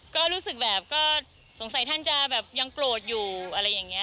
ก็รู้สึกแบบก็สงสัยท่านจะแบบยังโกรธอยู่อะไรอย่างนี้